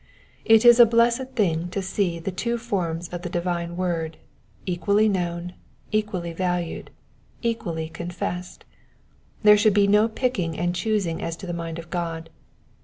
It is a blessed thing to see the two forms of the divine word, equally known, equally valued, equally confessed : there should be no pick ing and choosing as to the mind of God.